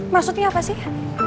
maksudnya apa sih